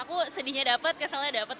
aku sedihnya dapet keselnya dapet